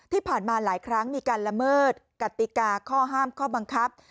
ที่ผ่านมาหลายครั้งมีการละเมิดกติกาข้อห้ามข้อบังคับ